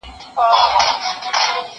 کېدای سي سندري ټيټه وي.